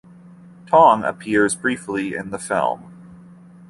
Tong appears briefly in the film.